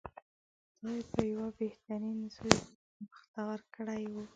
خدای په یوه بهترین زوی بختور کړی و.